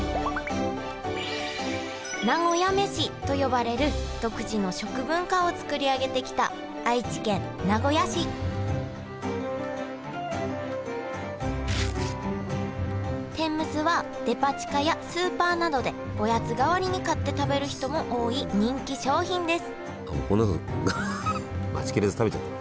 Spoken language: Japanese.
「なごやめし」と呼ばれる独自の食文化をつくり上げてきた愛知県名古屋市天むすはデパ地下やスーパーなどでおやつ代わりに買って食べる人も多い人気商品ですあっ